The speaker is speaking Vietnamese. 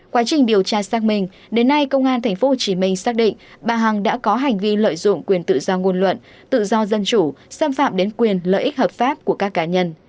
quá trình điều tra xác minh đến nay công an tp hcm xác định bà hằng đã có hành vi lợi dụng quyền tự do ngôn luận tự do dân chủ xâm phạm đến quyền lợi ích hợp pháp của các cá nhân